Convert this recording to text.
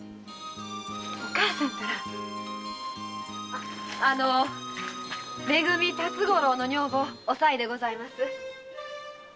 お母さんたらあのめ組の辰五郎の女房おさいでございます。